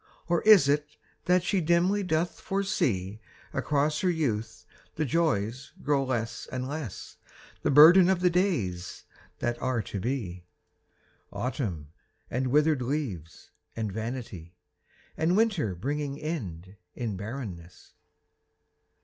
Or is it that she dimly doth foresee Across her youth the joys grow less and less The burden of the days that are to be: Autumn and withered leaves and vanity, And winter bringing end in barrenness.